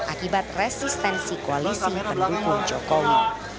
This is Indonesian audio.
akibat resistensi koalisi pendukung jokowi